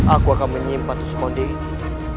aku akan menyimpan tusuk konde ini